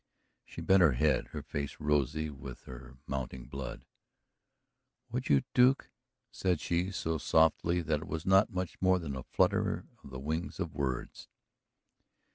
She bent her head, her face rosy with her mounting blood. "Would you, Duke?" said she, so softly that it was not much more than the flutter of the wings of words.